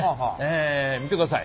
え見てください